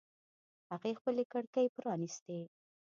هغې خپلې کړکۍ پرانیستې